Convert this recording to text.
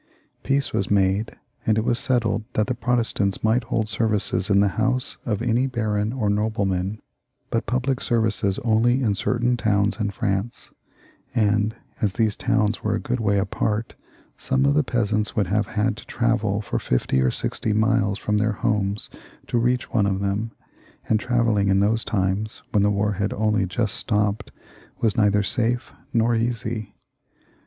Peace was signed, and it was settled that the Protestants might hold services in the house of any baron or nobleman, but pubUc services only in certain towns in France; and as these towns were a good way apart, some of the peasants would have had to travel for fifty or sixty miles from their homes to reach one of them, and travelling in those times, when the war had only just stopped, was neither safe nor easy.